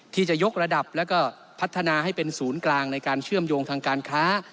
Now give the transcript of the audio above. ที่จะยกระดับแล้วก็พัฒนาให้เป็นศูนย์กลางในการเชื่อมโยงทางการค้า